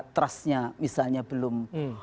trustnya misalnya belum